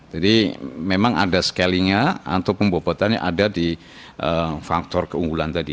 jadi memang ada scaling nya atau pembobotannya ada di faktor keunggulan tadi